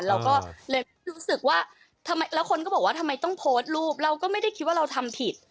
เราก็เลยรู้สึกว่าทำไมแล้วคนก็บอกว่าทำไมต้องโพสต์รูปเราก็ไม่ได้คิดว่าเราทำผิด